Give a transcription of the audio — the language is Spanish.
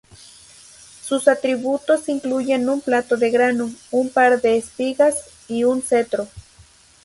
Sus atributos incluyen un plato de grano, un par de espigas y un cetro.